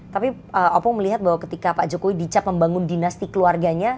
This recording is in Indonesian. tapi opung melihat bahwa ketika pak jokowi dicap membangun dinasti keluarganya